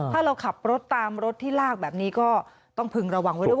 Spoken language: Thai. ถ้าเราขับรถตามรถที่ลากแบบนี้ก็ต้องพึงระวังไว้ด้วย